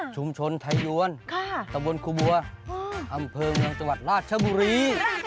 ชุมชนไทยยวนตะบนครูบัวอำเภอเมืองจังหวัดราชบุรี